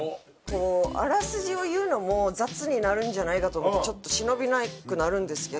あらすじを言うのも雑になるんじゃないかと思ってちょっと忍びなくなるんですけど。